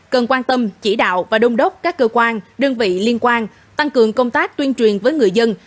cần quan tâm chỉ đạo và đông đốc các cơ quan đơn vị liên quan tăng cường công tác tuyên truyền với người dân